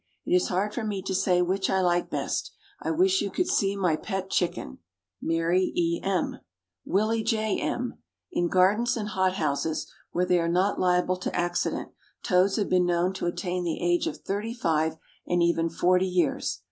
It is hard for me to say which I like best. I wish you could see my pet chicken. MARY E. M. WILLIE J. M. In gardens and hot houses, where they are not liable to accident, toads have been known to attain the age of thirty five and even forty years.